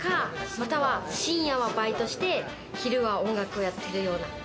または深夜バイトして、昼は音楽をやってるような。